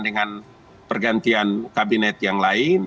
dengan pergantian kabinet yang lain